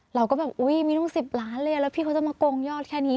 เราก็แบบอุ้ยมีตั้ง๑๐ล้านเลยแล้วพี่เขาจะมาโกงยอดแค่นี้